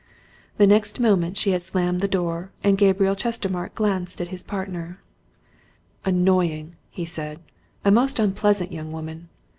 The next moment she had slammed the door, and Gabriel Chestermarke glanced at his partner. "Annoying!" he said. "A most unpleasant young woman!